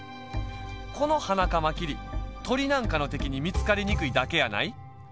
このハナカマキリとりなんかのてきにみつかりにくいだけやない。